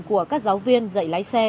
của các giáo viên dạy lái xe